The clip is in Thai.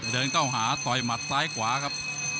เดินเข้าหาต่อยหมัดซ้ายขวาครับ